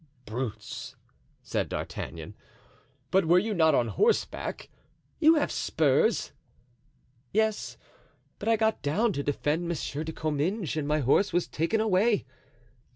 "Brutes!" said D'Artagnan. "But were you not on horseback? you have spurs." "Yes, but I got down to defend Monsieur de Comminges and my horse was taken away.